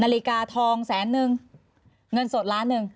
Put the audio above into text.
นาฬิกาทองแสนนึงเงินสดล้านหนึ่ง